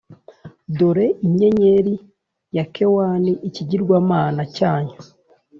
Dore inyenyeri ya Kewani, ikigirwamana cyanyu,